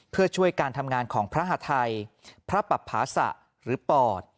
เพื่อช่วยการทำงานของพระหาทัยพระปับภาษะหรือปอด